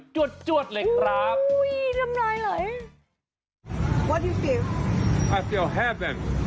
จวดเลยครับ